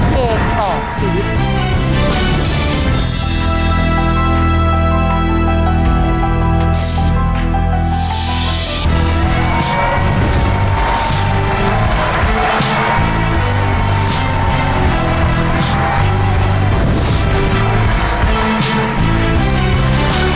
เกมต่อชีวิต